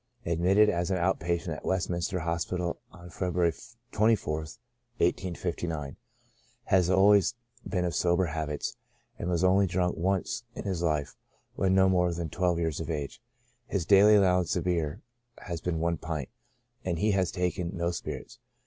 Admitted as out patient at the Westminster Hospital on Feb. 24th, 1859. ^^^ al ways been of sober habits, and was only drunk once in his life, when no more than twelve years of age. His daily allowance of beer has been one pint, and he has taken no spirits.